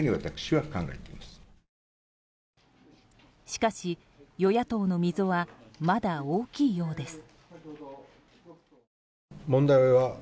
しかし与野党の溝はまだ大きいようです。